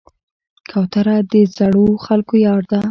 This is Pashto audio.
کوتره د زړو خلکو یار ده.